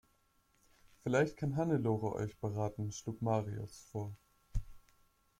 Vielleicht kann Hannelore euch beraten, schlug Marius vor.